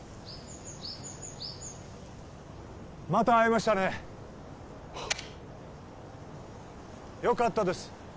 また会えましたねよかったです